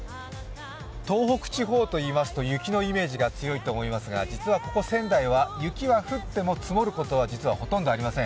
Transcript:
東北地方といいますと雪のイメージが強いと思いますが実はここ仙台は雪は降っても積もったことはありませさん。